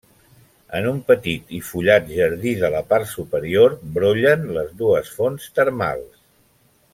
En un petit i fullat jardí de la part superior brollen les dues fonts termals.